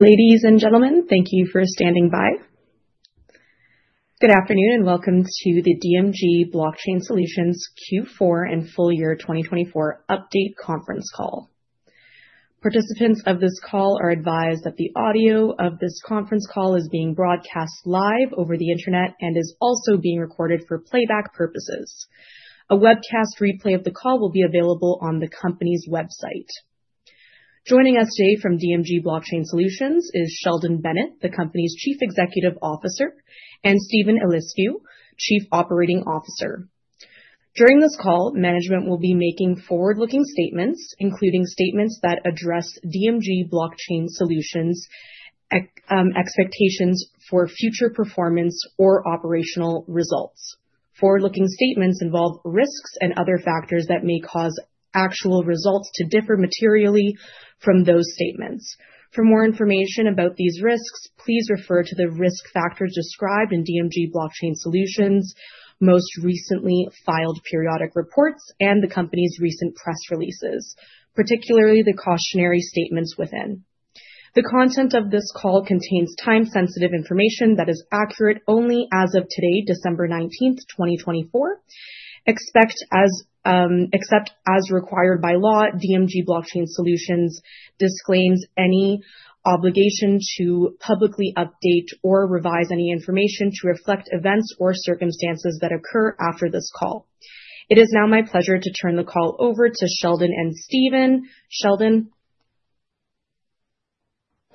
Ladies and gentlemen, thank you for standing by. Good afternoon and welcome to the DMG Blockchain Solutions Q4 and full year 2024 update conference call. Participants of this call are advised that the audio of this conference call is being broadcast live over the Internet and is also being recorded for playback purposes. A webcast replay of the call will be available on the company's website. Joining us today from DMG Blockchain Solutions is Sheldon Bennett, the company's Chief Executive Officer, and Steven Eliscu, Chief Operating Officer. During this call, management will be making forward-looking statements, including statements that address DMG Blockchain Solutions expectations for future performance or operational results. Forward-looking statements involve risks and other factors that may cause actual results to differ materially from those statements. For more information about these risks, please refer to the risk factors described in DMG Blockchain Solutions' most recently filed periodic reports and the company's recent press releases, particularly the cautionary statements within. The content of this call contains time-sensitive information that is accurate only as of today, December 19th, 2024. Except as required by law, DMG Blockchain Solutions disclaims any obligation to publicly update or revise any information to reflect events or circumstances that occur after this call. It is now my pleasure to turn the call over to Sheldon and Steven. Sheldon?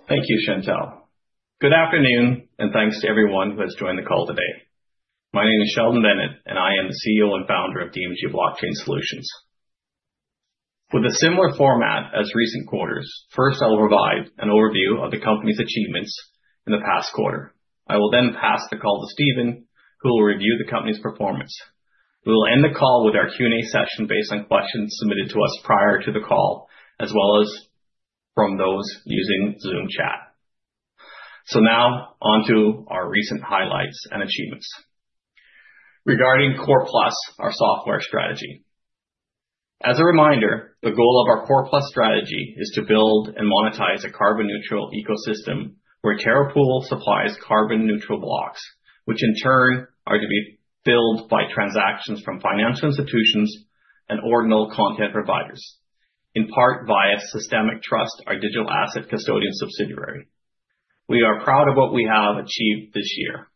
Thank you, Chantelle. Good afternoon and thanks to everyone who has joined the call today. My name is Sheldon Bennett and I am the CEO and Founder of DMG Blockchain Solutions. With a similar format as recent quarters, first I'll provide an overview of the company's achievements in the past quarter. I will then pass the call to Steven, who will review the company's performance. We will end the call with our Q&A session based on questions submitted to us prior to the call, as well as from those using Zoom chat. So now onto our recent highlights and achievements. Regarding Core+, our software strategy. As a reminder, the goal of our Core+ strategy is to build and monetize a carbon-neutral ecosystem where Terra Pool supplies carbon-neutral blocks, which in turn are to be filled by transactions from financial institutions and ordinal content providers, in part via Systemic Trust, our digital asset custodian subsidiary. We are proud of what we have achieved this year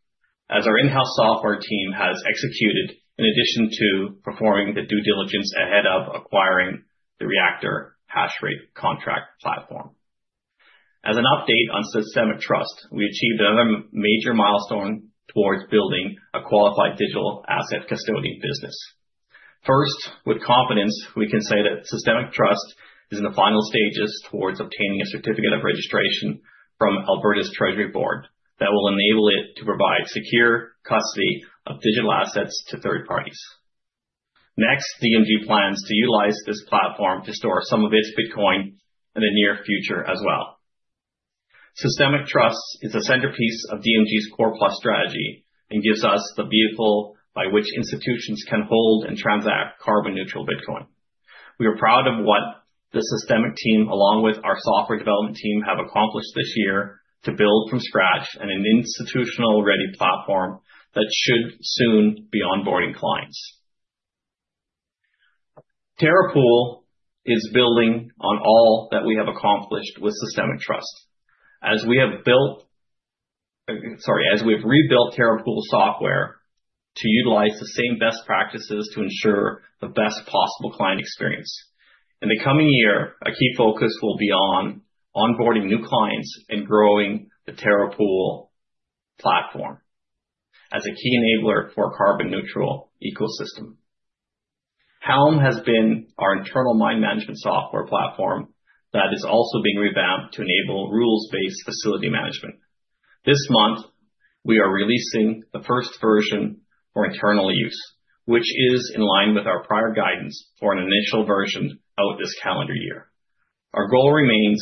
as our in-house software team has executed in addition to performing the due diligence ahead of acquiring the Reactor hash rate contract platform. As an update on Systemic Trust, we achieved another major milestone towards building a qualified digital asset custodian business. First, with confidence, we can say that Systemic Trust is in the final stages towards obtaining a certificate of registration from Alberta's Treasury Board that will enable it to provide secure custody of digital assets to third parties. Next, DMG plans to utilize this platform to store some of its Bitcoin in the near future as well. Systemic Trust is the centerpiece of DMG's Core+ strategy and gives us the vehicle by which institutions can hold and transact carbon-neutral Bitcoin. We are proud of what the Systemic team, along with our software development team, have accomplished this year to build from scratch an institutional-ready platform that should soon be onboarding clients. Terra Pool is building on all that we have accomplished with Systemic Trust as we have built, sorry, as we have rebuilt Terra Pool software to utilize the same best practices to ensure the best possible client experience. In the coming year, a key focus will be on onboarding new clients and growing the Terra Pool platform as a key enabler for a carbon-neutral ecosystem. Helm has been our internal mine management software platform that is also being revamped to enable rules-based facility management. This month, we are releasing the first version for internal use, which is in line with our prior guidance for an initial version out this calendar year. Our goal remains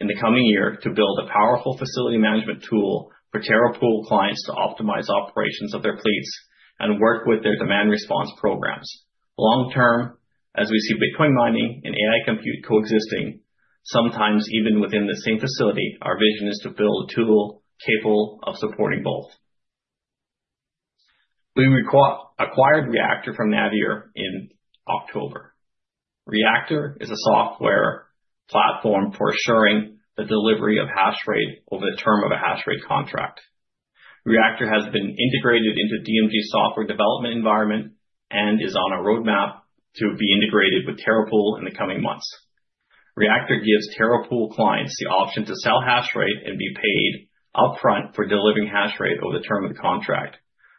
in the coming year to build a powerful facility management tool for Terra Pool clients to optimize operations of their fleets and work with their demand response programs. Long term, as we see Bitcoin mining and AI compute coexisting, sometimes even within the same facility, our vision is to build a tool capable of supporting both. We acquired Reactor from Navier in October. Reactor is a software platform for assuring the delivery of hash rate over the term of a hash rate contract. Reactor has been integrated into DMG's software development environment and is on a roadmap to be integrated with Terra Pool in the coming months. Reactor gives Terra Pool clients the option to sell hash rate and be paid upfront for delivering hash rate over the term of the contract,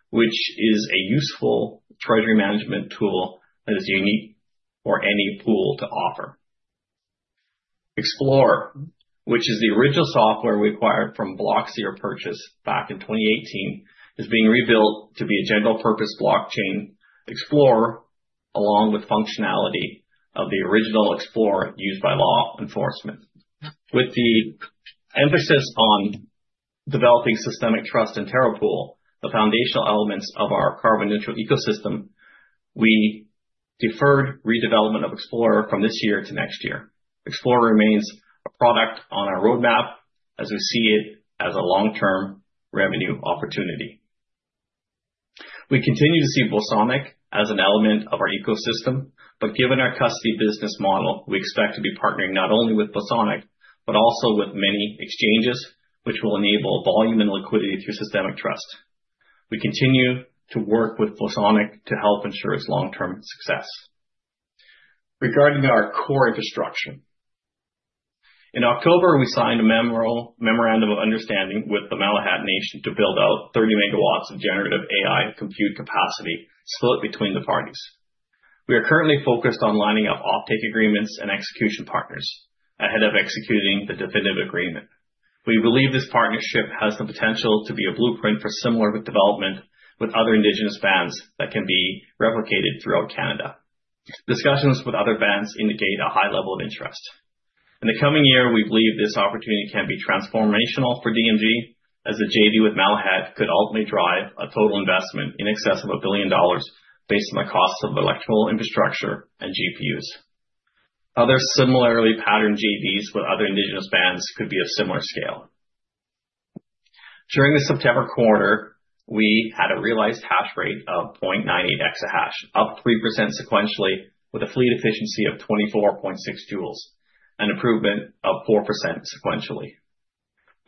which is a useful treasury management tool that is unique for any pool to offer. Explorer, which is the original software we acquired from Blockseer or purchased back in 2018, is being rebuilt to be a general-purpose blockchain explorer along with functionality of the original Explorer used by law enforcement. With the emphasis on developing Systemic Trust and Terra Pool, the foundational elements of our carbon-neutral ecosystem, we deferred redevelopment of Explorer from this year to next year. Explorer remains a product on our roadmap as we see it as a long-term revenue opportunity. We continue to see Bosonic as an element of our ecosystem, but given our custody business model, we expect to be partnering not only with Bosonic, but also with many exchanges, which will enable volume and liquidity through Systemic Trust. We continue to work with Bosonic to help ensure its long-term success. Regarding our core infrastructure, in October, we signed a memorandum of understanding with the Malahat Nation to build out 30 MW of generative AI compute capacity split between the parties. We are currently focused on lining up offtake agreements and execution partners ahead of executing the definitive agreement. We believe this partnership has the potential to be a blueprint for similar development with other indigenous bands that can be replicated throughout Canada. Discussions with other bands indicate a high level of interest. In the coming year, we believe this opportunity can be transformational for DMG as the JV with Malahat could ultimately drive a total investment in excess of $1 billion based on the costs of electrical infrastructure and GPUs. Other similarly patterned JVs with other indigenous bands could be of similar scale. During the September quarter, we had a realized hash rate of 0.98 EH/s, up 3% sequentially with a fleet efficiency of 24.6 J and improvement of 4% sequentially.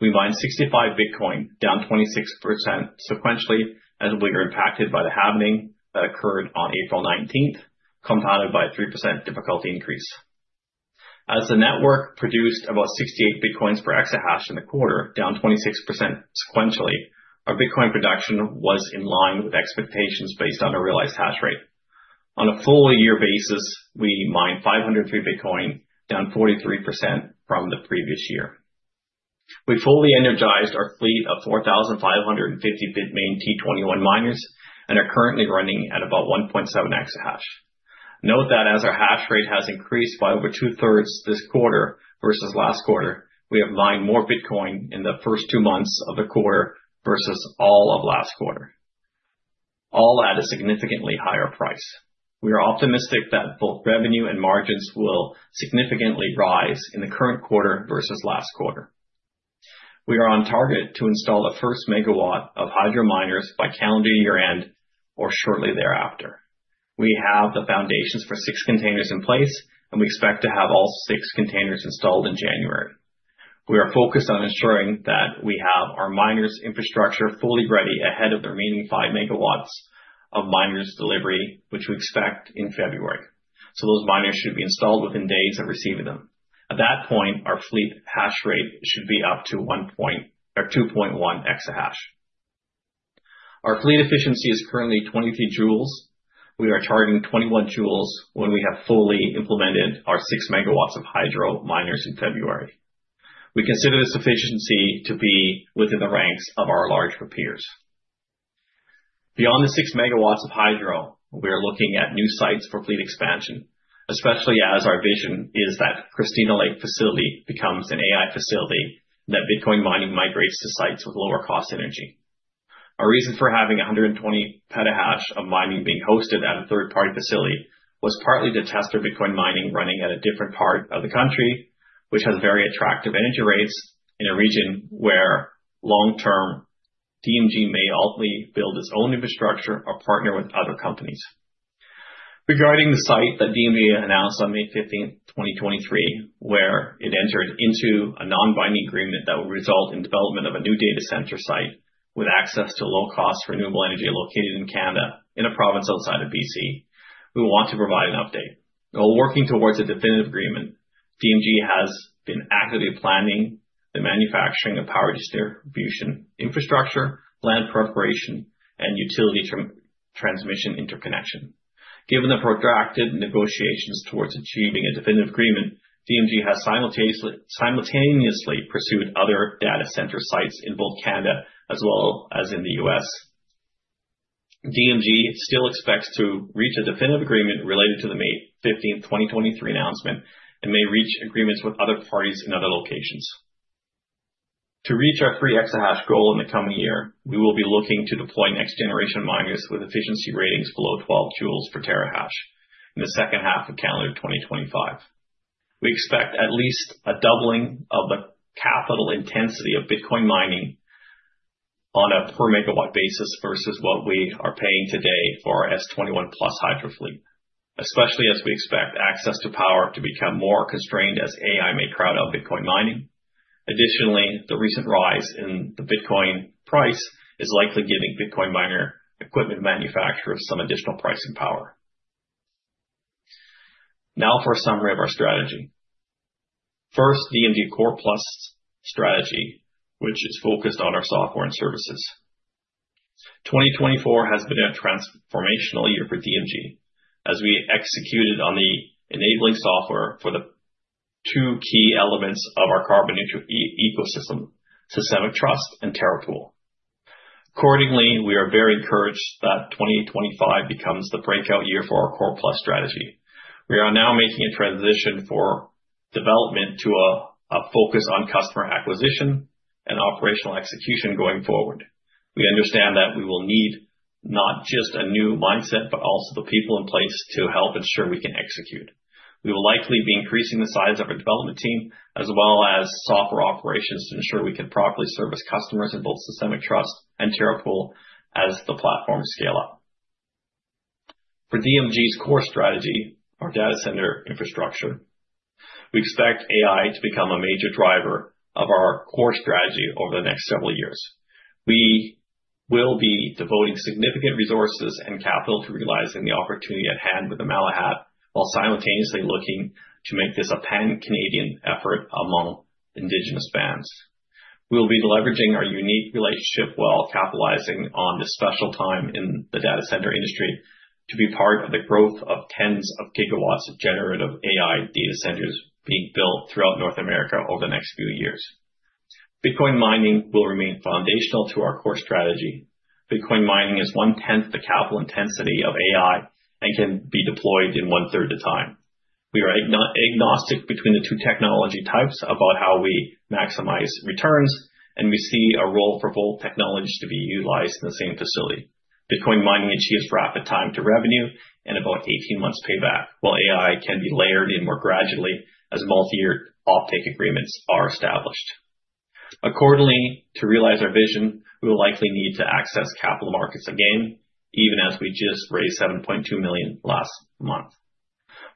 We mined 65 Bitcoin, down 26% sequentially as we were impacted by the halvening that occurred on April 19th, compounded by a 3% difficulty increase. As the network produced about 68 Bitcoins per EH/s in the quarter, down 26% sequentially, our Bitcoin production was in line with expectations based on a realized hash rate. On a full year basis, we mined 503 Bitcoin, down 43% from the previous year. We fully energized our fleet of 4,550 Bitmain T21 miners and are currently running at about 1.7 EH. Note that as our hash rate has increased by over 2/3 this quarter versus last quarter, we have mined more Bitcoin in the first two months of the quarter versus all of last quarter. All at a significantly higher price. We are optimistic that both revenue and margins will significantly rise in the current quarter versus last quarter. We are on target to install the first megawatt of hydro miners by calendar year end or shortly thereafter. We have the foundations for six containers in place and we expect to have all six containers installed in January. We are focused on ensuring that we have our miners' infrastructure fully ready ahead of the remaining 5 MW of miners' delivery, which we expect in February. So those miners should be installed within days of receiving them. At that point, our fleet hash rate should be up to 2.1 EH. Our fleet efficiency is currently 23 J. We are targeting 21 J when we have fully implemented our 6 MW of hydro miners in February. We consider this efficiency to be within the ranks of our large peers. Beyond the six MW of hydro, we are looking at new sites for fleet expansion, especially as our vision is that Christina Lake facility becomes an AI facility that Bitcoin mining migrates to sites with lower-cost energy. Our reason for having 120 PH of mining being hosted at a third-party facility was partly to test our Bitcoin mining running at a different part of the country, which has very attractive energy rates in a region where long-term DMG may ultimately build its own infrastructure or partner with other companies. Regarding the site that DMG announced on May 15th, 2023, where it entered into a non-binding agreement that will result in development of a new data center site with access to low-cost renewable energy located in Canada in a province outside of BC, we want to provide an update. While working towards a definitive agreement, DMG has been actively planning the manufacturing of power distribution infrastructure, land preparation, and utility transmission interconnection. Given the protracted negotiations towards achieving a definitive agreement, DMG has simultaneously pursued other data center sites in both Canada as well as in the U.S. DMG still expects to reach a definitive agreement related to the May 15th, 2023 announcement and may reach agreements with other parties in other locations. To reach our 3 EH/s hash goal in the coming year, we will be looking to deploy next-generation miners with efficiency ratings below 12 J per TH in the second half of calendar 2025. We expect at least a doubling of the capital intensity of Bitcoin mining on a per megawatt basis versus what we are paying today for our S21+ Hydro fleet, especially as we expect access to power to become more constrained as AI may crowd out Bitcoin mining. Additionally, the recent rise in the Bitcoin price is likely giving Bitcoin miner equipment manufacturers some additional pricing power. Now for a summary of our strategy. First, DMG Core+ strategy, which is focused on our software and services. 2024 has been a transformational year for DMG as we executed on the enabling software for the two key elements of our carbon-neutral ecosystem, Systemic Trust and Terra Pool. Accordingly, we are very encouraged that 2025 becomes the breakout year for our Core+ strategy. We are now making a transition for development to a focus on customer acquisition and operational execution going forward. We understand that we will need not just a new mindset, but also the people in place to help ensure we can execute. We will likely be increasing the size of our development team as well as software operations to ensure we can properly service customers in both Systemic Trust and Terra Pool as the platforms scale up. For DMG's core strategy, our data center infrastructure, we expect AI to become a major driver of our core strategy over the next several years. We will be devoting significant resources and capital to realizing the opportunity at hand with the Malahat while simultaneously looking to make this a pan-Canadian effort among indigenous bands. We will be leveraging our unique relationship while capitalizing on this special time in the data center industry to be part of the growth of tens of gigawatts of generative AI data centers being built throughout North America over the next few years. Bitcoin mining will remain foundational to our core strategy. Bitcoin mining is one-tenth the capital intensity of AI and can be deployed in one-third of the time. We are agnostic between the two technology types about how we maximize returns, and we see a role for both technologies to be utilized in the same facility. Bitcoin mining achieves rapid time to revenue and about 18 months payback, while AI can be layered in more gradually as multi-year offtake agreements are established. Accordingly, to realize our vision, we will likely need to access capital markets again, even as we just raised $7.2 million last month.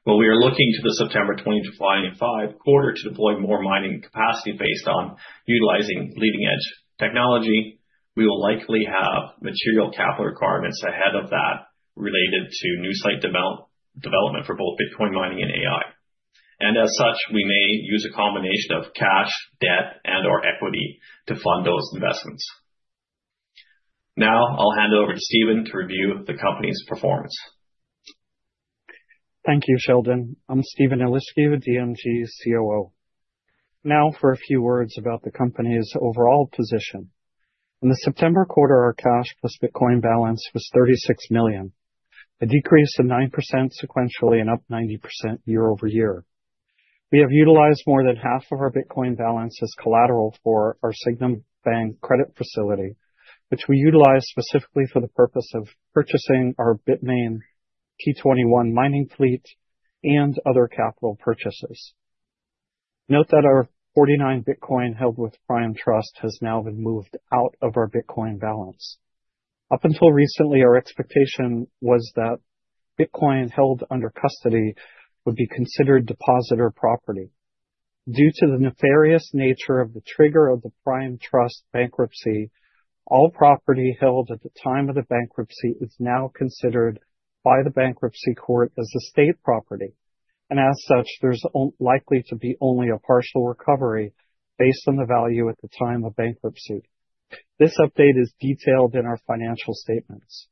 While we are looking to the September 2025 quarter to deploy more mining capacity based on utilizing leading-edge technology, we will likely have material capital requirements ahead of that related to new site development for both Bitcoin mining and AI. And as such, we may use a combination of cash, debt, and/or equity to fund those investments. Now I'll hand it over to Steven to review the company's performance. Thank you, Sheldon. I'm Steven Eliscu, DMG's COO. Now for a few words about the company's overall position. In the September quarter, our cash plus Bitcoin balance was $36 million, a decrease of 9% sequentially and up 90% year-over-year. We have utilized more than half of our Bitcoin balance as collateral for our Sygnum Bank credit facility, which we utilize specifically for the purpose of purchasing our Bitmain T21 mining fleet and other capital purchases. Note that our 49 Bitcoin held with Prime Trust has now been moved out of our Bitcoin balance. Up until recently, our expectation was that Bitcoin held under custody would be considered depositor property. Due to the nefarious nature of the trigger of the Prime Trust bankruptcy, all property held at the time of the bankruptcy is now considered by the bankruptcy court as estate property. And as such, there's likely to be only a partial recovery based on the value at the time of bankruptcy. This update is detailed in our financial statements.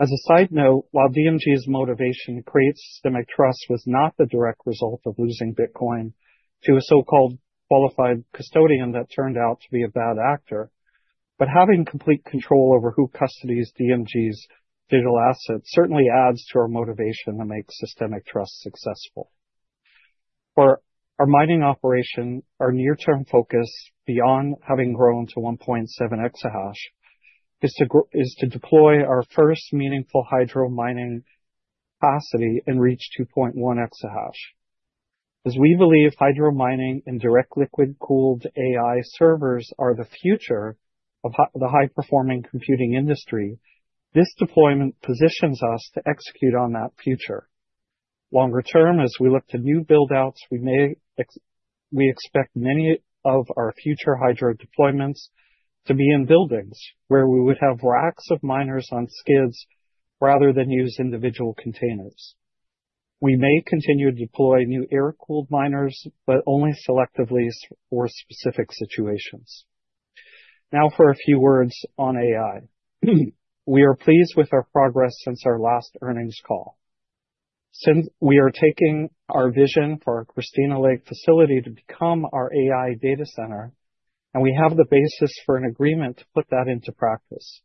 As a side note, while DMG's motivation to create Systemic Trust was not the direct result of losing Bitcoin to a so-called qualified custodian that turned out to be a bad actor, having complete control over who custodies DMG's digital assets certainly adds to our motivation to make Systemic Trust successful. For our mining operation, our near-term focus, beyond having grown to 1.7 EH, is to deploy our first meaningful hydro mining capacity and reach 2.1 EH. As we believe hydro mining and direct liquid-cooled AI servers are the future of the high-performing computing industry, this deployment positions us to execute on that future. Longer term, as we look to new buildouts, we expect many of our future hydro deployments to be in buildings where we would have racks of miners on skids rather than use individual containers. We may continue to deploy new air-cooled miners, but only selectively for specific situations. Now for a few words on AI. We are pleased with our progress since our last earnings call. Since we are taking our vision for our Christina Lake facility to become our AI data center, and we have the basis for an agreement to put that into practice.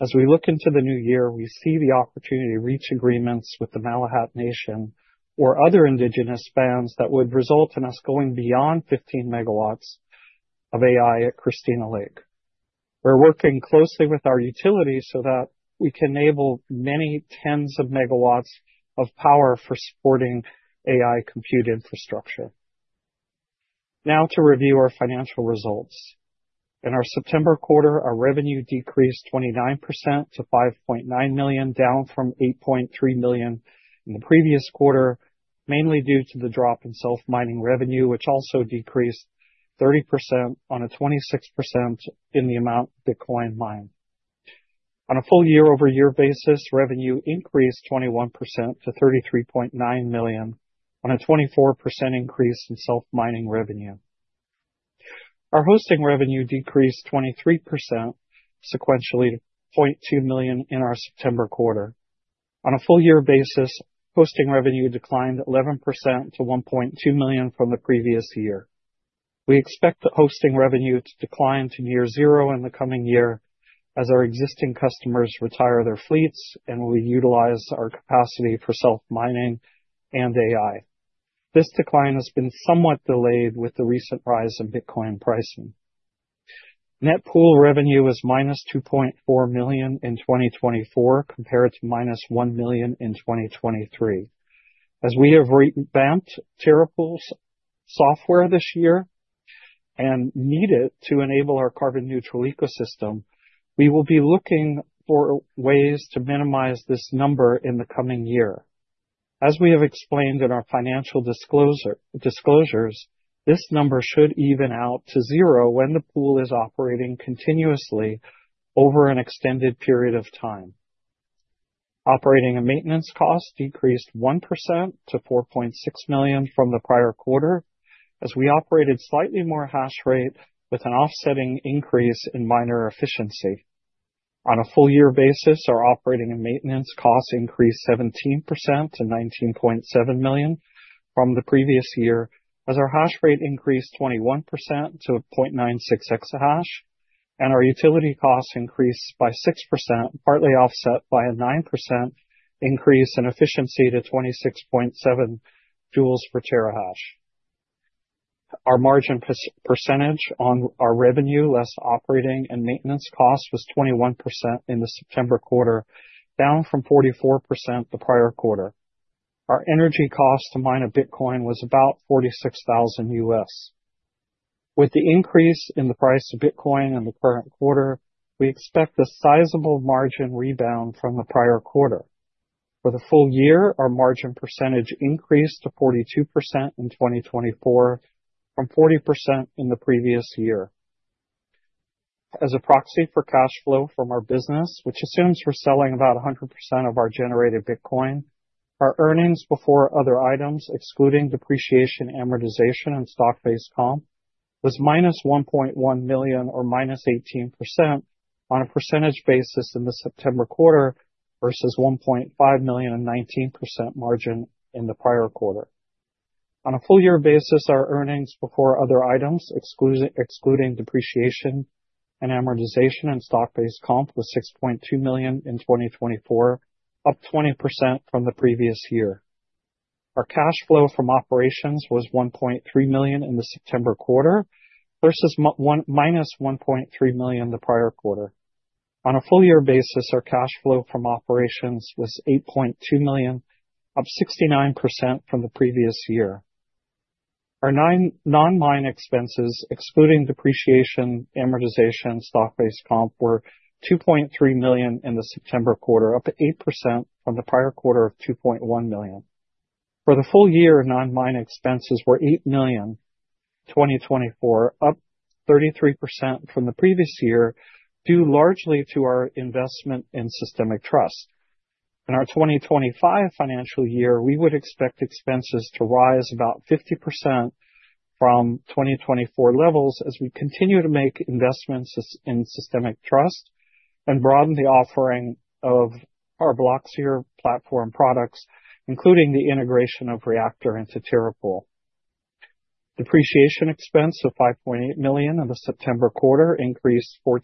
As we look into the new year, we see the opportunity to reach agreements with the Malahat Nation or other indigenous bands that would result in us going beyond 15 MW of AI at Christina Lake. We're working closely with our utility so that we can enable many tens of megawatts of power for supporting AI compute infrastructure. Now to review our financial results. In our September quarter, our revenue decreased 29% to $5.9 million, down from $8.3 million in the previous quarter, mainly due to the drop in self-mining revenue, which also decreased 30% on a 26% in the amount of Bitcoin mined. On a full year-over-year basis, revenue increased 21% to $33.9 million on a 24% increase in self-mining revenue. Our hosting revenue decreased 23% sequentially to $0.2 million in our September quarter. On a full-year basis, hosting revenue declined 11% to $1.2 million from the previous year. We expect the hosting revenue to decline to near zero in the coming year as our existing customers retire their fleets and we utilize our capacity for self-mining and AI. This decline has been somewhat delayed with the recent rise in Bitcoin pricing. Net pool revenue is -$2.4 million in 2024 compared to -$1 million in 2023. As we have revamped Terra Pool's software this year and need it to enable our carbon-neutral ecosystem, we will be looking for ways to minimize this number in the coming year. As we have explained in our financial disclosures, this number should even out to zero when the pool is operating continuously over an extended period of time. Operating and maintenance costs decreased 1% to $4.6 million from the prior quarter as we operated slightly more hash rate with an offsetting increase in miner efficiency. On a full year basis, our operating and maintenance costs increased 17% to $19.7 million from the previous year as our hash rate increased 21% to 0.96 EH, and our utility costs increased by 6%, partly offset by a 9% increase in efficiency to 26.7 J per TH. Our margin percentage on our revenue less operating and maintenance costs was 21% in the September quarter, down from 44% the prior quarter. Our energy cost to mine a Bitcoin was about $46,000. With the increase in the price of Bitcoin in the current quarter, we expect a sizable margin rebound from the prior quarter. For the full year, our margin percentage increased to 42% in 2024 from 40% in the previous year. As a proxy for cash flow from our business, which assumes we're selling about 100% of our generated Bitcoin, our earnings before other items, excluding depreciation, amortization, and stock-based comp, was -$1.1 million or -18% on a percentage basis in the September quarter versus $1.5 million and 19% margin in the prior quarter. On a full year basis, our earnings before other items, excluding depreciation and amortization and stock-based comp, was $6.2 million in 2024, up 20% from the previous year. Our cash flow from operations was $1.3 million in the September quarter versus -$1.3 million the prior quarter. On a full year basis, our cash flow from operations was $8.2 million, up 69% from the previous year. Our non-mine expenses, excluding depreciation, amortization, and stock-based comp, were $2.3 million in the September quarter, up 8% from the prior quarter of $2.1 million. For the full year, non-mine expenses were $8 million in 2024, up 33% from the previous year due largely to our investment in Systemic Trust. In our 2025 financial year, we would expect expenses to rise about 50% from 2024 levels as we continue to make investments in Systemic Trust and broaden the offering of our Blockseer platform products, including the integration of Reactor into Terra Pool. Depreciation expense of $5.8 million in the September quarter increased 14%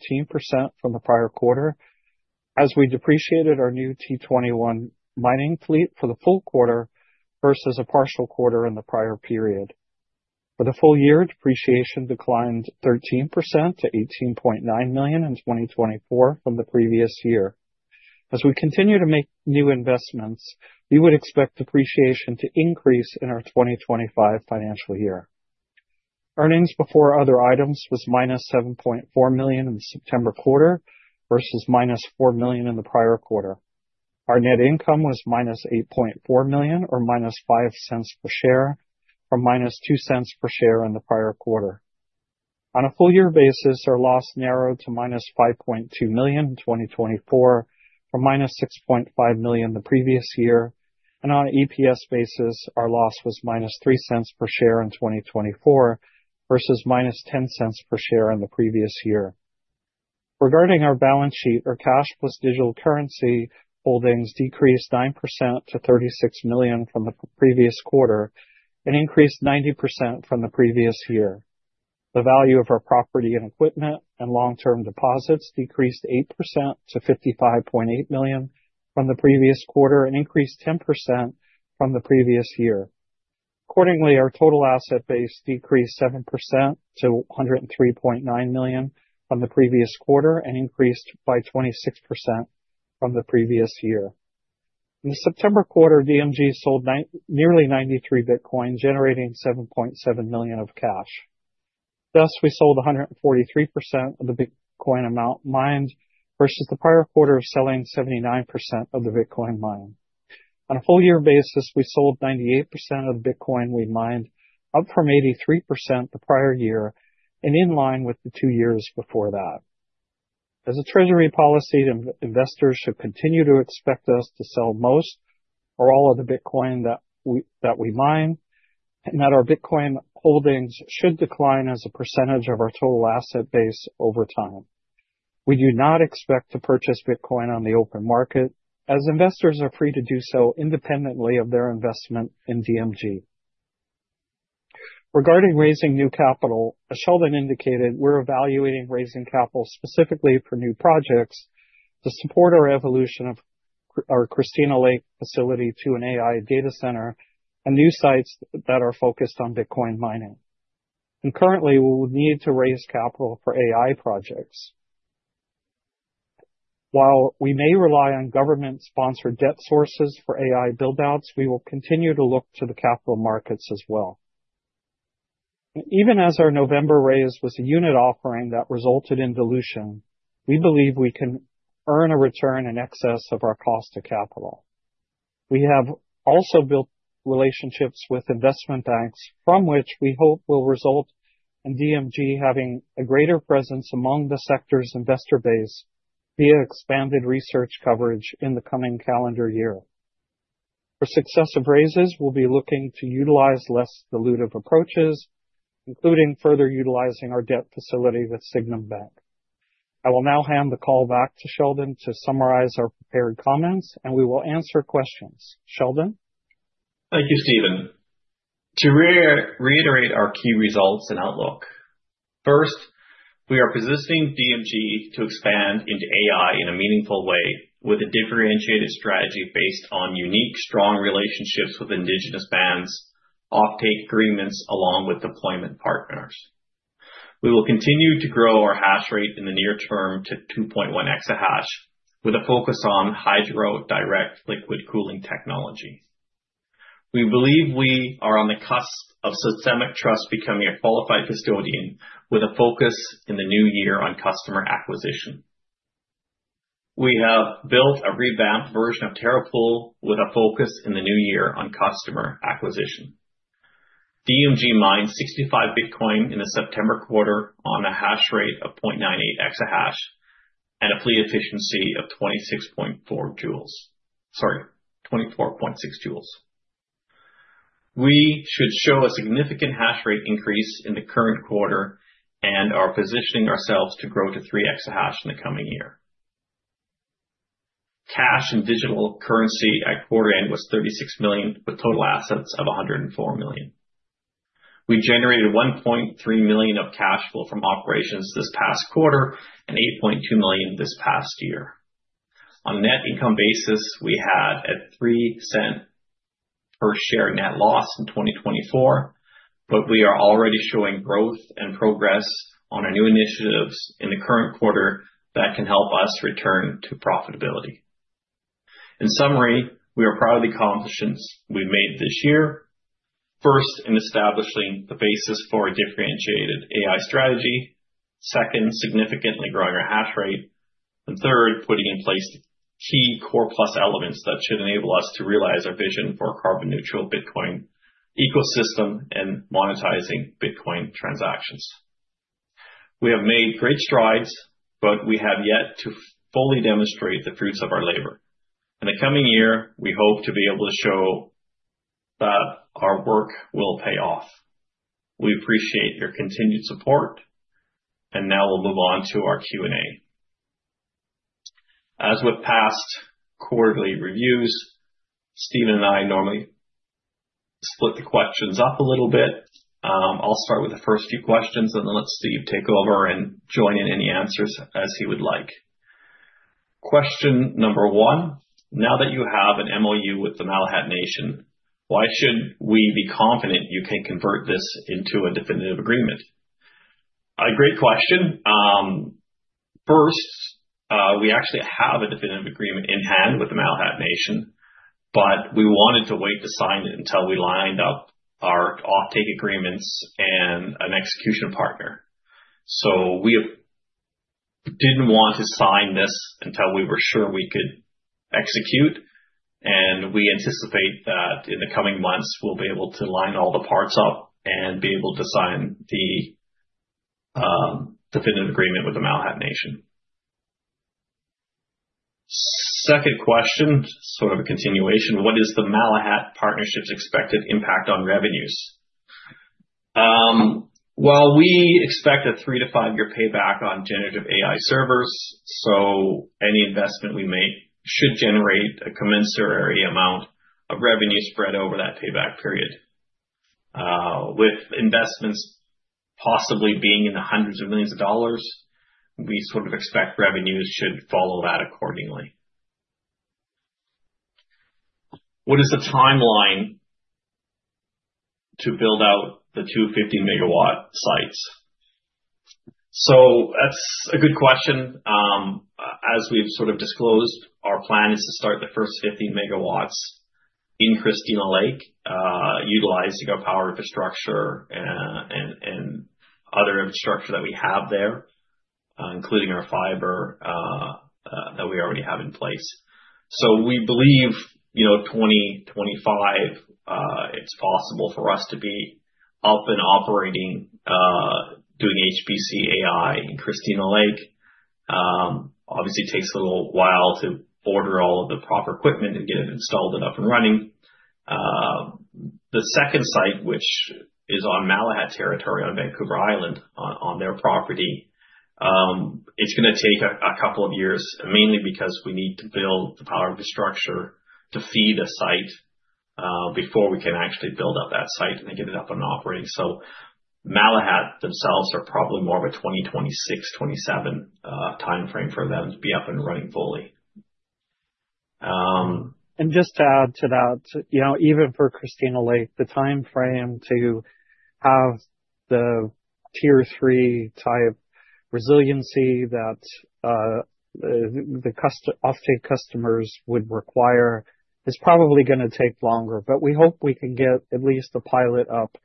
from the prior quarter as we depreciated our new T21 mining fleet for the full quarter versus a partial quarter in the prior period. For the full year, depreciation declined 13% to $18.9 million in 2024 from the previous year. As we continue to make new investments, we would expect depreciation to increase in our 2025 financial year. Earnings before other items was minus $7.4 million in the September quarter versus minus $4 million in the prior quarter. Our net income was -$8.4 million or $-0.05 per share from -$0.02 per share in the prior quarter. On a full year basis, our loss narrowed to -$5.2 million in 2024 from -$6.5 million the previous year. And on an EPS basis, our loss was -$0.03 per share in 2024 versus -$0.10 per share in the previous year. Regarding our balance sheet, our cash plus digital currency holdings decreased 9% to $36 million from the previous quarter and increased 90% from the previous year. The value of our property and equipment and long-term deposits decreased 8% to $55.8 million from the previous quarter and increased 10% from the previous year. Accordingly, our total asset base decreased 7% to $103.9 million from the previous quarter and increased by 26% from the previous year. In the September quarter, DMG sold nearly 93 Bitcoin, generating $7.7 million of cash. Thus, we sold 143% of the Bitcoin amount mined versus the prior quarter of selling 79% of the Bitcoin mined. On a full year basis, we sold 98% of the Bitcoin we mined, up from 83% the prior year and in line with the two years before that. As a Treasury policy, investors should continue to expect us to sell most or all of the Bitcoin that we mined and that our Bitcoin holdings should decline as a percentage of our total asset base over time. We do not expect to purchase Bitcoin on the open market as investors are free to do so independently of their investment in DMG. Regarding raising new capital, as Sheldon indicated, we're evaluating raising capital specifically for new projects to support our evolution of our Christina Lake facility to an AI data center and new sites that are focused on Bitcoin mining, and currently, we will need to raise capital for AI projects. While we may rely on government-sponsored debt sources for AI buildouts, we will continue to look to the capital markets as well. Even as our November raise was a unit offering that resulted in dilution, we believe we can earn a return in excess of our cost of capital. We have also built relationships with investment banks from which we hope will result in DMG having a greater presence among the sector's investor base via expanded research coverage in the coming calendar year. For successive raises, we'll be looking to utilize less dilutive approaches, including further utilizing our debt facility with Sygnum Bank. I will now hand the call back to Sheldon to summarize our prepared comments, and we will answer questions. Sheldon? Thank you, Steven. To reiterate our key results and outlook. First, we are positioning DMG to expand into AI in a meaningful way with a differentiated strategy based on unique, strong relationships with indigenous bands, offtake agreements, along with deployment partners. We will continue to grow our hash rate in the near term to 2.1 EH/s with a focus on hydro direct liquid cooling technology. We believe we are on the cusp of Systemic Trust becoming a qualified custodian with a focus in the new year on customer acquisition. We have built a revamped version of Terra Pool with a focus in the new year on customer acquisition. DMG mined 65 Bitcoin in the September quarter on a hash rate of 0.98 EH/s and a fleet efficiency of 26.4 J/TH. Sorry, 24.6 J/TH. We should show a significant hash rate increase in the current quarter and are positioning ourselves to grow to 3 EH/s in the coming year. Cash and digital currency at quarter end was $36 million with total assets of $104 million. We generated $1.3 million of cash flow from operations this past quarter and $8.2 million this past year. On a net income basis, we had a 3 cents per share net loss in 2024, but we are already showing growth and progress on our new initiatives in the current quarter that can help us return to profitability. In summary, we are proud of the accomplishments we've made this year. First, in establishing the basis for a differentiated AI strategy. Second, significantly growing our hash rate. And third, putting in place key Core+ elements that should enable us to realize our vision for a carbon-neutral Bitcoin ecosystem and monetizing Bitcoin transactions. We have made great strides, but we have yet to fully demonstrate the fruits of our labor. In the coming year, we hope to be able to show that our work will pay off. We appreciate your continued support, and now we'll move on to our Q&A. As with past quarterly reviews, Steven and I normally split the questions up a little bit. I'll start with the first few questions, and then let Steve take over and join in any answers as he would like. Question number one, now that you have an MOU with the Malahat Nation, why should we be confident you can convert this into a definitive agreement? A great question. First, we actually have a definitive agreement in hand with the Malahat Nation, but we wanted to wait to sign it until we lined up our offtake agreements and an execution partner. So we didn't want to sign this until we were sure we could execute, and we anticipate that in the coming months, we'll be able to line all the parts up and be able to sign the definitive agreement with the Malahat Nation. Second question, sort of a continuation, what is the Malahat partnership's expected impact on revenues? Well, we expect a three- to five-year payback on generative AI servers, so any investment we make should generate a commensurate amount of revenue spread over that payback period. With investments possibly being in the hundreds of millions of dollars, we sort of expect revenues should follow that accordingly. What is the timeline to build out the two 50 MW sites? So that's a good question. As we've sort of disclosed, our plan is to start the first 50 MW in Christina Lake, utilizing our power infrastructure and other infrastructure that we have there, including our fiber that we already have in place. So we believe 2025, it's possible for us to be up and operating, doing HPC AI in Christina Lake. Obviously, it takes a little while to order all of the proper equipment and get it installed and up and running. The second site, which is on Malahat territory on Vancouver Island on their property, it's going to take a couple of years, mainly because we need to build the power infrastructure to feed a site before we can actually build up that site and get it up and operating. So Malahat themselves are probably more of a 2026, 2027 timeframe for them to be up and running fully. Just to add to that, even for Christina Lake, the timeframe to have the Tier 3-type resiliency that the offtake customers would require is probably going to take longer, but we hope we can get at least a pilot up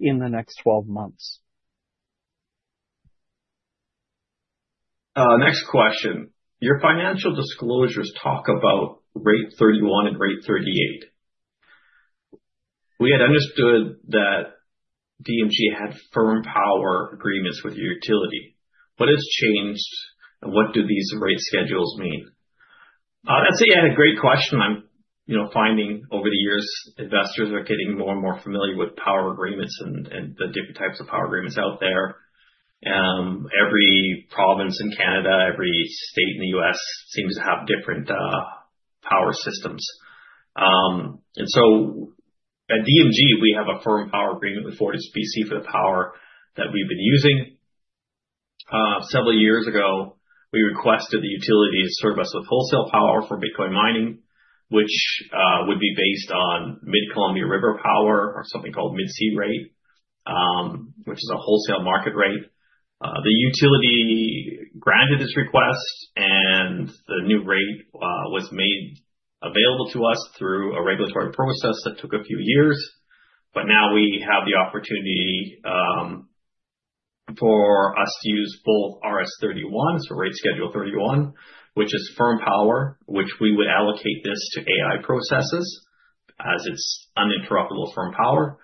in the next 12 months. Next question. Your financial disclosures talk about Rate 31 and Rate 38. We had understood that DMG had firm power agreements with your utility. What has changed, and what do these rate schedules mean? That's a great question. I'm finding over the years, investors are getting more and more familiar with power agreements and the different types of power agreements out there. Every province in Canada, every state in the U.S. seems to have different power systems. So at DMG, we have a firm power agreement with FortisBC for the power that we've been using. Several years ago, we requested the utility to serve us with wholesale power for Bitcoin mining, which would be based on Mid-Columbia power or something called Mid-C rate, which is a wholesale market rate. The utility granted this request, and the new rate was made available to us through a regulatory process that took a few years, but now we have the opportunity for us to use both Rate Schedule 31, which is firm power, which we would allocate this to AI processes as it's uninterruptible firm power,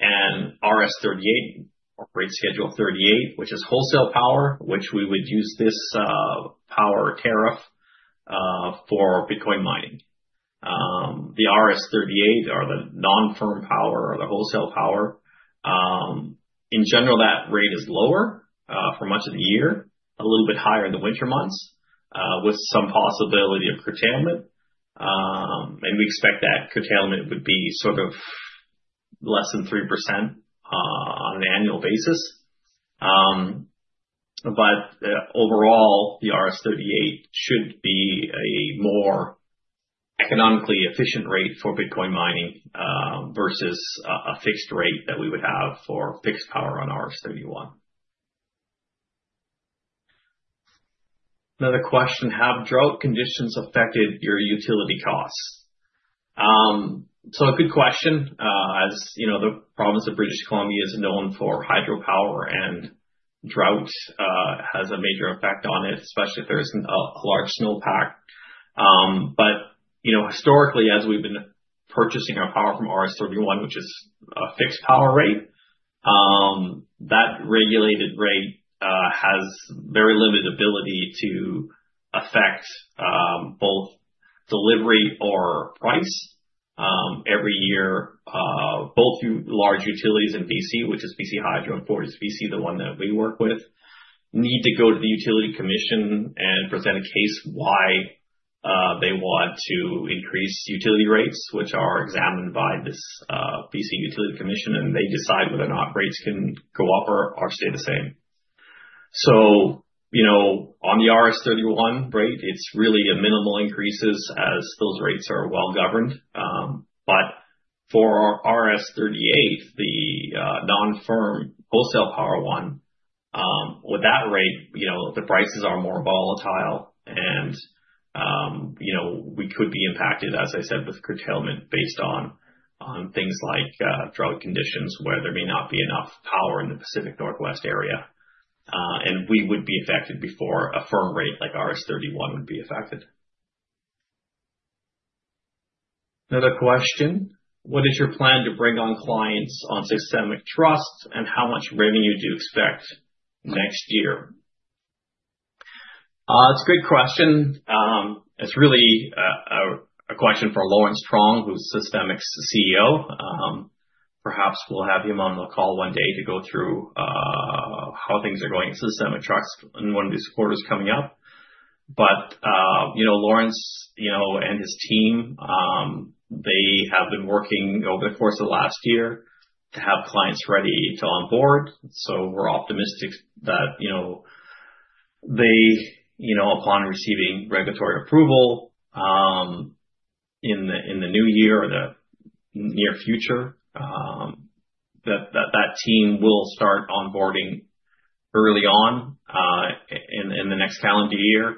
and RS-38, or Rate Schedule 38, which is wholesale power, which we would use this power tariff for Bitcoin mining. The RS-38 are the non-firm power or the wholesale power. In general, that rate is lower for much of the year, a little bit higher in the winter months with some possibility of curtailment. We expect that curtailment would be sort of less than 3% on an annual basis. But overall, the RS-38 should be a more economically efficient rate for Bitcoin mining versus a fixed rate that we would have for fixed power on RS-31. Another question, have drought conditions affected your utility costs? So a good question. As you know, the province of British Columbia is known for hydropower, and drought has a major effect on it, especially if there's a large snowpack. But historically, as we've been purchasing our power from RS-31, which is a fixed power rate, that regulated rate has very limited ability to affect both delivery or price. Every year, both large utilities in BC, which is BC Hydro and FortisBC, the one that we work with, need to go to the utility commission and present a case why they want to increase utility rates, which are examined by this BC Utilities Commission, and they decide whether or not rates can go up or stay the same. So on the RS-31 rate, it's really a minimal increases as those rates are well governed. But for RS-38, the non-firm wholesale power one, with that rate, the prices are more volatile, and we could be impacted, as I said, with curtailment based on things like drought conditions where there may not be enough power in the Pacific Northwest area. And we would be affected before a firm rate like RS-31 would be affected. Another question, what is your plan to bring on clients on Systemic Trust, and how much revenue do you expect next year? That's a great question. It's really a question for Lawrence Truong, who's Systemic's CEO. Perhaps we'll have him on the call one day to go through how things are going at Systemic Trust in one of these quarters coming up, but Lawrence and his team, they have been working over the course of the last year to have clients ready to onboard, so we're optimistic that upon receiving regulatory approval in the new year or the near future, that that team will start onboarding early on in the next calendar year,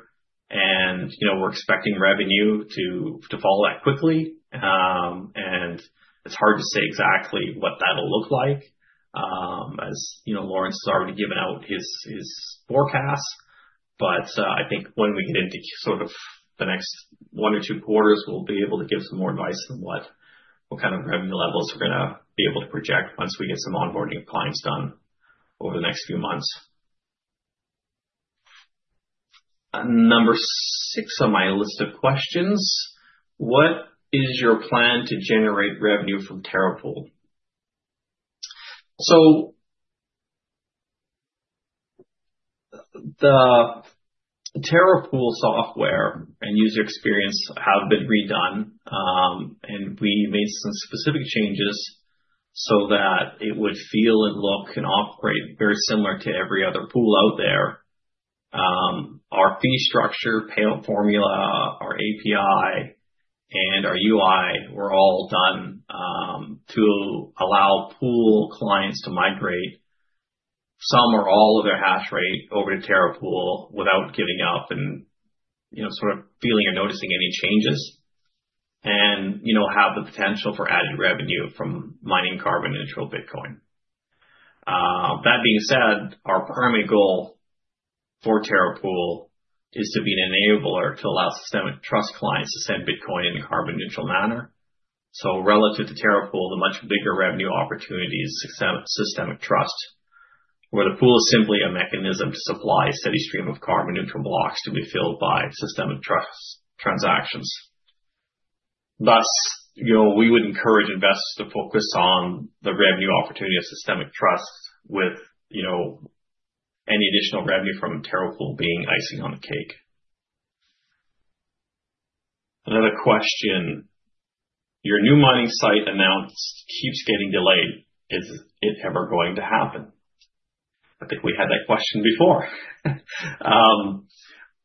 and we're expecting revenue to flow that quickly. It's hard to say exactly what that'll look like as Lawrence has already given out his forecast. But I think when we get into sort of the next one or two quarters, we'll be able to give some more advice on what kind of revenue levels we're going to be able to project once we get some onboarding appliance done over the next few months. Number six on my list of questions: What is your plan to generate revenue from Terra Pool? So the Terra Pool software and user experience have been redone, and we made some specific changes so that it would feel and look and operate very similar to every other pool out there. Our fee structure, payout formula, our API, and our UI were all done to allow pool clients to migrate some or all of their hash rate over to Terra Pool without giving up and sort of feeling or noticing any changes and have the potential for added revenue from mining carbon neutral Bitcoin. That being said, our primary goal for Terra Pool is to be an enabler to allow Systemic Trust clients to send Bitcoin in a carbon neutral manner. So relative to Terra Pool, the much bigger revenue opportunity is Systemic Trust, where the pool is simply a mechanism to supply a steady stream of carbon neutral blocks to be filled by Systemic Trust transactions. Thus, we would encourage investors to focus on the revenue opportunity of Systemic Trust with any additional revenue from Terra Pool being icing on the cake. Another question, your new mining site announced keeps getting delayed. Is it ever going to happen? I think we had that question before.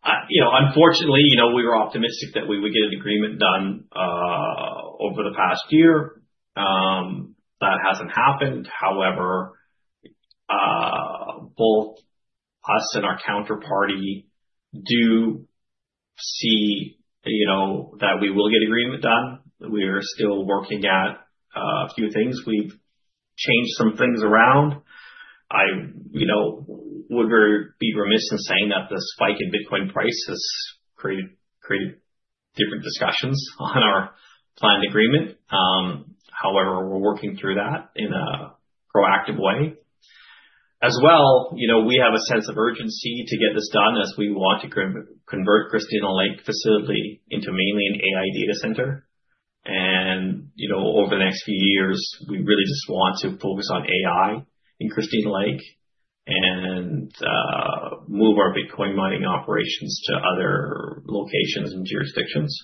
Unfortunately, we were optimistic that we would get an agreement done over the past year. That hasn't happened. However, both us and our counterparty do see that we will get agreement done. We are still working at a few things. We've changed some things around. I would be remiss in saying that the spike in Bitcoin price has created different discussions on our planned agreement. However, we're working through that in a proactive way. As well, we have a sense of urgency to get this done as we want to convert Christina Lake facility into mainly an AI data center. Over the next few years, we really just want to focus on AI in Christina Lake and move our Bitcoin mining operations to other locations and jurisdictions.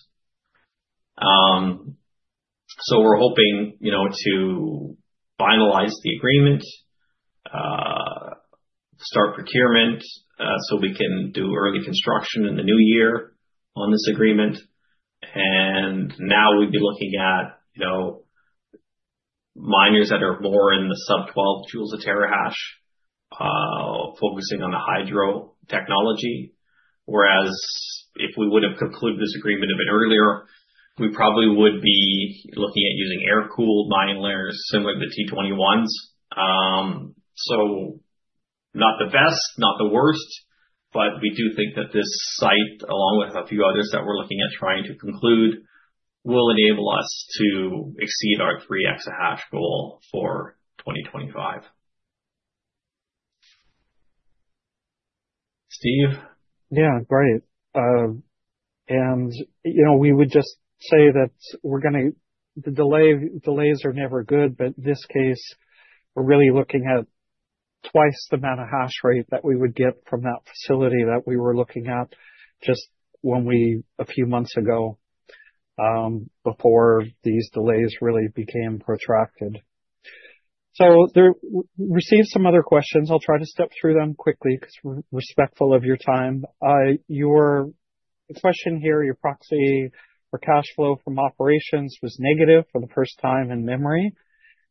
We're hoping to finalize the agreement, start procurement so we can do early construction in the new year on this agreement. Now we'd be looking at miners that are more in the sub-12 joules per terahash, focusing on the hydro technology. Whereas if we would have concluded this agreement a bit earlier, we probably would be looking at using air-cooled miners similar to the T21s. Not the best, not the worst, but we do think that this site, along with a few others that we're looking at trying to conclude, will enable us to exceed our 3 EH goal for 2025. Steve? Yeah, great. We would just say that we're going to the delays are never good, but in this case, we're really looking at twice the amount of hash rate that we would get from that facility that we were looking at just a few months ago before these delays really became protracted. We received some other questions. I'll try to step through them quickly because we're respectful of your time. Your question here, your proxy for cash flow from operations was negative for the first time in memory.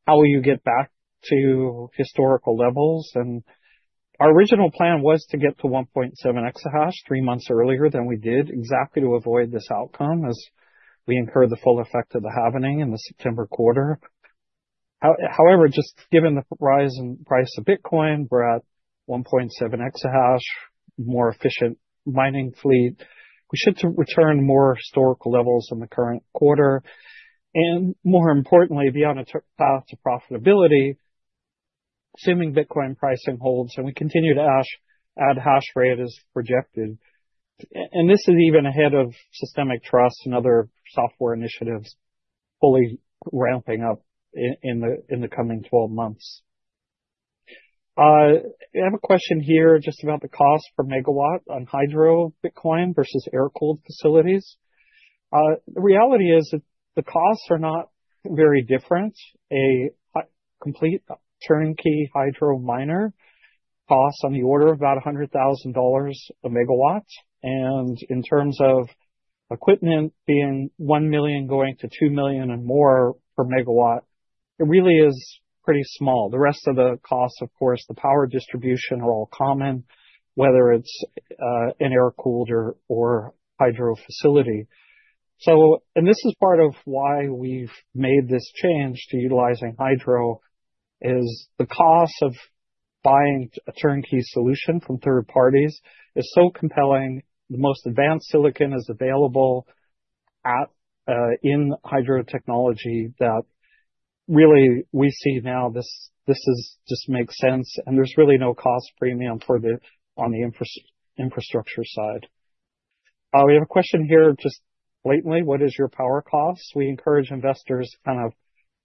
How will you get back to historical levels? Our original plan was to get to 1.7 EH three months earlier than we did, exactly to avoid this outcome as we incurred the full effect of the happening in the September quarter. However, just given the rise in price of Bitcoin, we're at 1.7 EH, more efficient mining fleet. We should return more historical levels in the current quarter, and more importantly, be on a path to profitability, assuming Bitcoin pricing holds and we continue to add hash rate as projected, and this is even ahead of Systemic Trust and other software initiatives fully ramping up in the coming 12 months. I have a question here just about the cost per megawatt on hydro Bitcoin versus air-cooled facilities. The reality is that the costs are not very different. A complete turnkey hydro miner costs on the order of about $100,000 a megawatt, and in terms of equipment being $1 million going to $2 million and more per megawatt, it really is pretty small. The rest of the costs, of course, the power distribution are all common, whether it's an air-cooled or hydro facility. This is part of why we've made this change to utilizing hydro is the cost of buying a turnkey solution from third parties is so compelling. The most advanced silicon is available in hydro technology that really we see now this just makes sense. There's really no cost premium on the infrastructure side. We have a question here just blatantly, what is your power cost? We encourage investors to kind of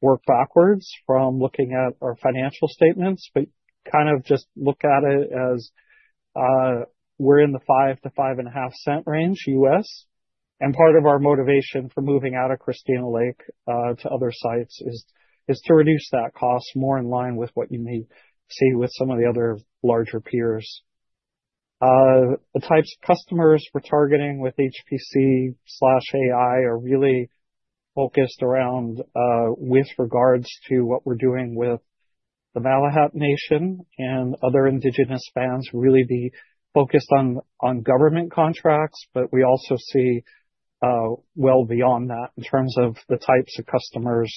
work backwards from looking at our financial statements, but kind of just look at it as we're in the $0.05-$0.055 range. Part of our motivation for moving out of Christina Lake to other sites is to reduce that cost more in line with what you may see with some of the other larger peers. The types of customers we're targeting with HPC/AI are really focused around with regards to what we're doing with the Malahat Nation and other indigenous nations really be focused on government contracts, but we also see well beyond that in terms of the types of customers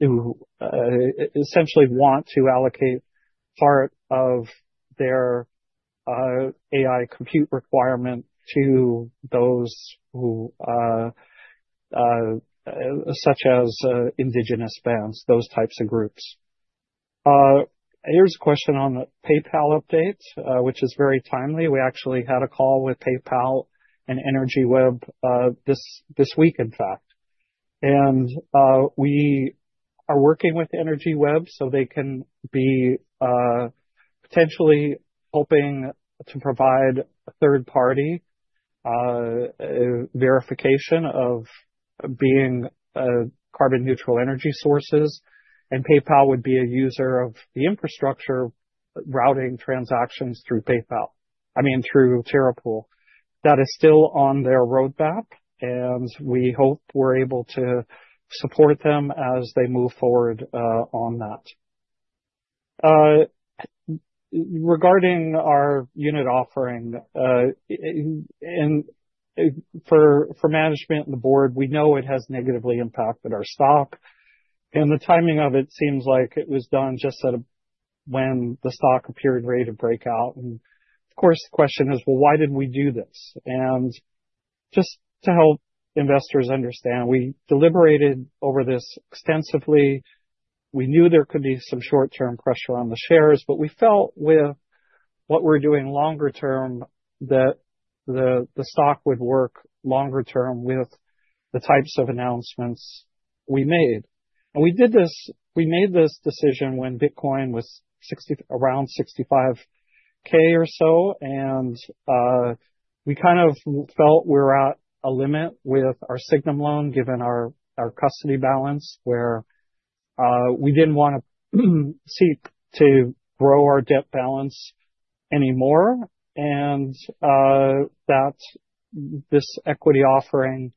who essentially want to allocate part of their AI compute requirement to those such as indigenous nations, those types of groups. Here's a question on the PayPal update, which is very timely. We actually had a call with PayPal and Energy Web this week, in fact, and we are working with Energy Web so they can be potentially hoping to provide a third-party verification of being carbon-neutral energy sources, and PayPal would be a user of the infrastructure routing transactions through PayPal, I mean, through Terra Pool. That is still on their roadmap, and we hope we're able to support them as they move forward on that. Regarding our unit offering, for management and the board, we know it has negatively impacted our stock. And the timing of it seems like it was done just when the stock appeared ready to break out. And of course, the question is, well, why did we do this? And just to help investors understand, we deliberated over this extensively. We knew there could be some short-term pressure on the shares, but we felt with what we're doing longer term that the stock would work longer term with the types of announcements we made. And we made this decision when Bitcoin was around $65,000 or so. And we kind of felt we're at a limit with our Sygnum loan given our custody balance where we didn't want to seek to grow our debt balance anymore. And that this equity offering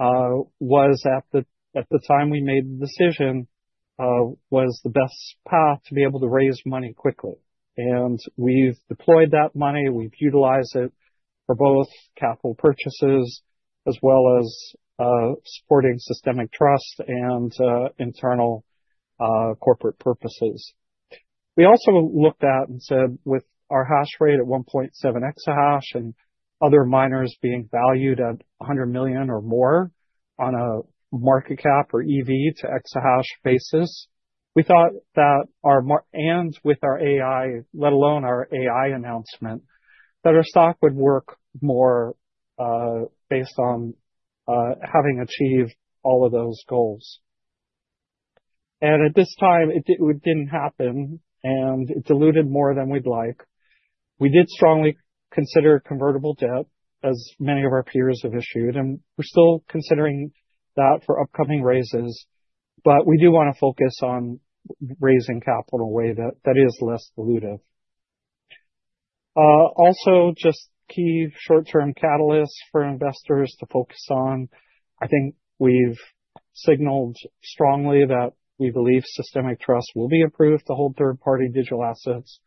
was at the time we made the decision was the best path to be able to raise money quickly. And we've deployed that money. We've utilized it for both capital purchases as well as supporting Systemic Trust and internal corporate purposes. We also looked at and said with our hash rate at 1.7 EH and other miners being valued at $100 million or more on a market cap or EV-to-EH basis, we thought that our and with our AI, let alone our AI announcement, that our stock would work more based on having achieved all of those goals. And at this time, it didn't happen, and it diluted more than we'd like. We did strongly consider convertible debt as many of our peers have issued, and we're still considering that for upcoming raises, but we do want to focus on raising capital in a way that is less dilutive. Also, just key short-term catalysts for investors to focus on. I think we've signaled strongly that we believe Systemic Trust will be approved to hold third-party digital assets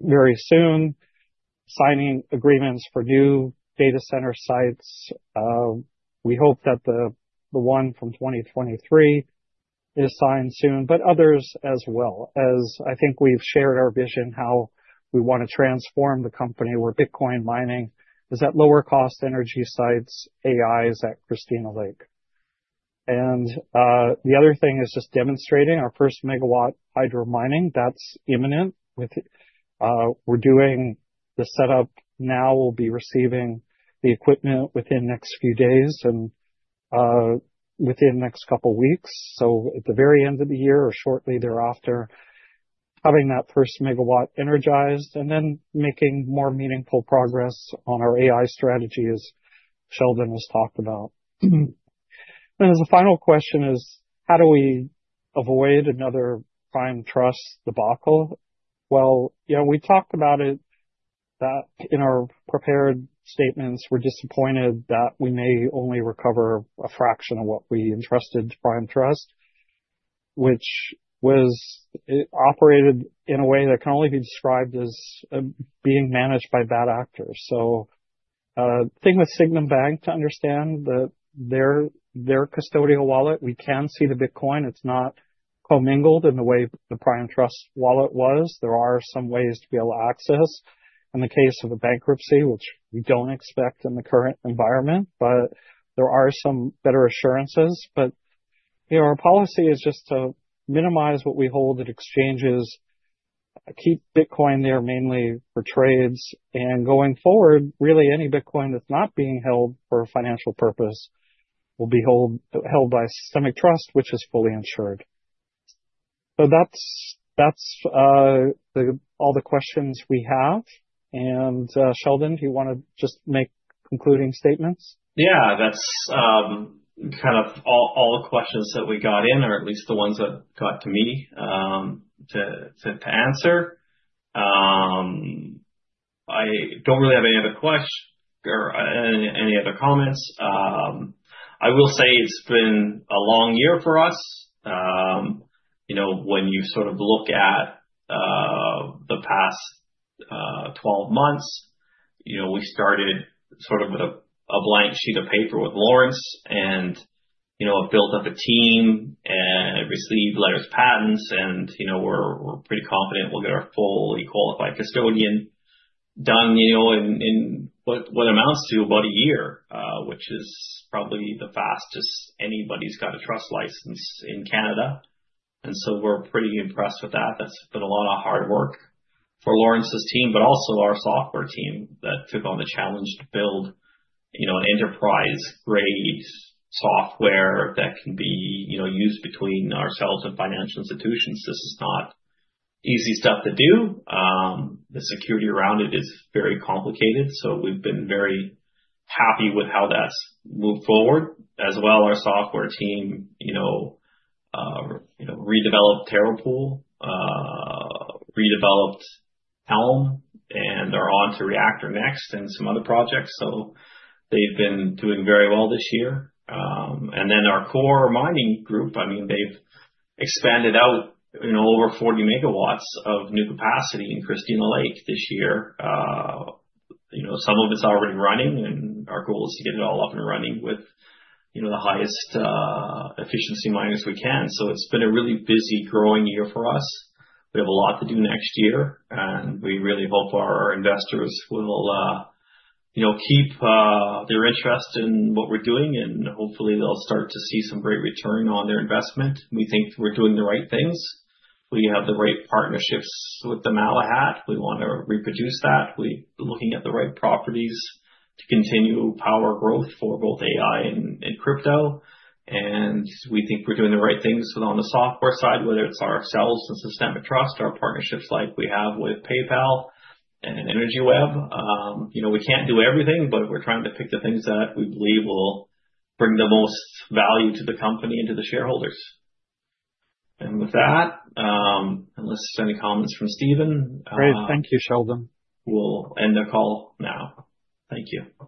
very soon, signing agreements for new data center sites. We hope that the one from 2023 is signed soon, but others as well. As I think we've shared our vision how we want to transform the company where Bitcoin mining is at lower-cost energy sites, AI is at Christina Lake. The other thing is just demonstrating our first megawatt hydro mining. That's imminent. We're doing the setup now. We'll be receiving the equipment within the next few days and within the next couple of weeks. So at the very end of the year or shortly thereafter, having that first megawatt energized and then making more meaningful progress on our AI strategy as Sheldon has talked about. And as a final question is, how do we avoid another Prime Trust debacle? Well, we talked about it in our prepared statements. We're disappointed that we may only recover a fraction of what we entrusted to Prime Trust, which was operated in a way that can only be described as being managed by bad actors. So the thing with Sygnum Bank to understand that their custodial wallet, we can see the Bitcoin. It's not commingled in the way the Prime Trust wallet was. There are some ways to be able to access in the case of a bankruptcy, which we don't expect in the current environment, but there are some better assurances, but our policy is just to minimize what we hold at exchanges, keep Bitcoin there mainly for trades, and going forward, really any Bitcoin that's not being held for a financial purpose will be held by Systemic Trust, which is fully insured, so that's all the questions we have, and Sheldon, do you want to just make concluding statements? Yeah, that's kind of all the questions that we got in, or at least the ones that got to me to answer. I don't really have any other questions or any other comments. I will say it's been a long year for us. When you sort of look at the past 12 months, we started sort of with a blank sheet of paper with Lawrence and built up a team and received letters patent. And we're pretty confident we'll get our fully qualified custodian done in what amounts to about a year, which is probably the fastest anybody's got a trust license in Canada. And so we're pretty impressed with that. That's been a lot of hard work for Lawrence's team, but also our software team that took on the challenge to build an enterprise-grade software that can be used between ourselves and financial institutions. This is not easy stuff to do. The security around it is very complicated. So we've been very happy with how that's moved forward. As well, our software team redeveloped Terra Pool, redeveloped Helm, and they're on to Reactor Next and some other projects. So they've been doing very well this year. And then our core mining group, I mean, they've expanded out over 40 MW of new capacity in Christina Lake this year. Some of it's already running, and our goal is to get it all up and running with the highest efficiency miners we can. So it's been a really busy growing year for us. We have a lot to do next year, and we really hope our investors will keep their interest in what we're doing, and hopefully they'll start to see some great return on their investment. We think we're doing the right things. We have the right partnerships with the Malahat. We want to reproduce that. We're looking at the right properties to continue power growth for both AI and crypto. And we think we're doing the right things on the software side, whether it's ourselves and Systemic Trust, our partnerships like we have with PayPal and Energy Web. We can't do everything, but we're trying to pick the things that we believe will bring the most value to the company and to the shareholders. And with that, unless there's any comments from Steven. Great. Thank you, Sheldon. We'll end our call now. Thank you.